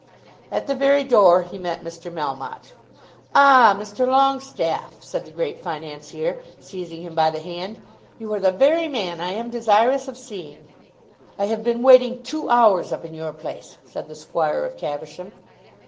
At the very door he met Mr. Melmotte. "Ah, Mr. Longestaffe," said the great financier, seizing him by the hand, "you are the very man I am desirous of seeing." "I have been waiting two hours up in your place," said the Squire of Caversham.